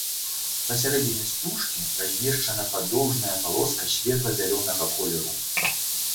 Пасярэдзіне стужкі размешчана падоўжная палоска светла-зялёнага колеру.